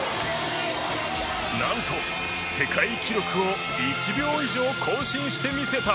なんと世界記録を１秒以上更新してみせた